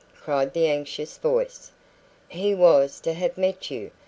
cried the anxious voice. "He was to have met you.